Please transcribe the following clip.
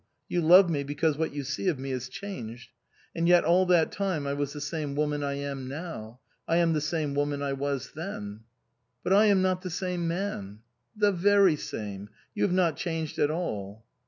You love me because what you see of me is changed. And yet all that time I was the same woman I am now. I am the same woman I was then." " But I am not the same man !" "The very same. You have not changed at all."